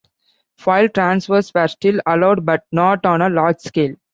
File transfers were still allowed but not on a large scale.